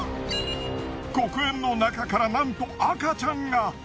黒煙の中からなんと赤ちゃんが！